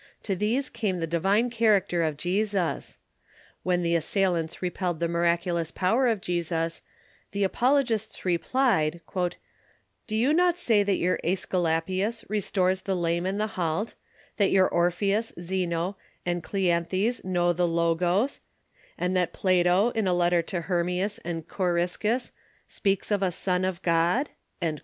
To these came the divine character of Jesus. When the assailants repelled the miraculous power of Jesus, the apolo gists replied: "Do you not say that your iEsculapius restores the lame and the halt ; that your Orpheus, Zeno, and Klean thes Icnew the Logos ; and that Plato, in a letter to Hermeas and Koriskus, speaks of a son of God